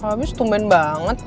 habis tumben banget